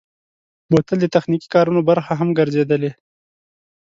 بوتل د تخنیکي کارونو برخه هم ګرځېدلی.